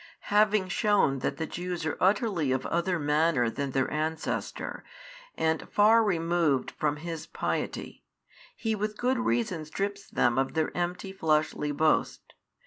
Having shewn that the Jews are utterly of other manner than their ancestor, and far removed from his piety, He with good reason strips them of their empty fleshly boast.